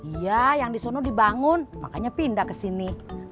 iya yang di sono dibangun makanya pindah kesini